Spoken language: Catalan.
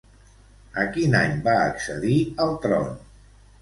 A quin any va accedir al tron?